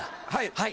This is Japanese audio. はい。